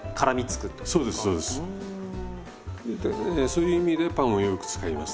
そういう意味でパンをよく使いますね。